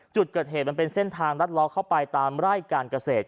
จุดเกิดเหตุมันเป็นเส้นทางลัดล้อเข้าไปตามไร่การเกษตร